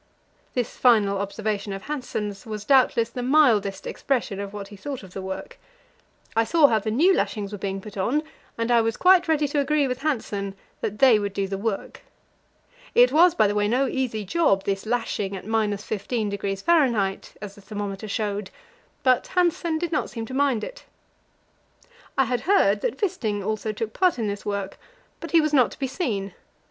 This final observation of Hanssen's was doubtless the mildest expression of what he thought of the work. I saw how the new lashings were being put on, and I was quite ready to agree with Hanssen that they would do the work. It was, by the way, no easy job, this lashing at 15°F., as the thermometer showed, but Hanssen did not seem to mind it. I had heard that Wisting also took part in this work, but he was not to be seen.